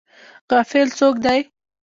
غافل څوک دی؟